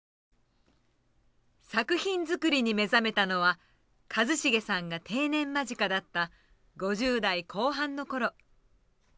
作品作りに目覚めたのは和成さんが定年間近だった５０代後半の頃。